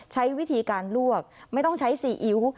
ใช้วิธีการลวกไม่ต้องใช้ซีอิ๊ว